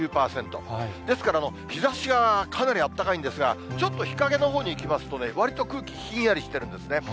ですから、日ざしがかなりあったかいんですが、ちょっと日陰のほうに行きますとね、わりと空気ひんやりしてるんですね。